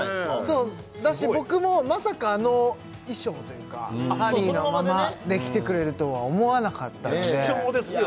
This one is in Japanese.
そうだし僕もまさかあの衣装というかハリーのままで来てくれるとは思わなかったので貴重ですよね